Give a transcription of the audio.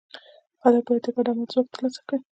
خلک باید د ګډ عمل ځواک ترلاسه کړي.